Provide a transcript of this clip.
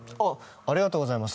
ありがとうございます。